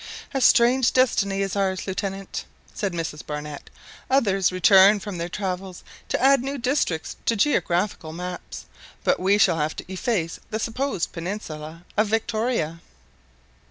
"A strange destiny is ours, Lieutenant," said Mrs Barnett. "Others return from their travels to add new districts to geographical maps, but we shall have to efface the supposed peninsula of Victoria!"